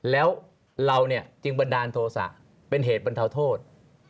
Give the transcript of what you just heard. แล้วเราเนี่ยจึงบันดาลโทษะเป็นเหตุบรรเทาโทษ